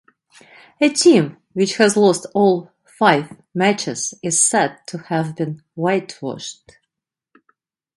A team which has lost all five matches is said to have been whitewashed.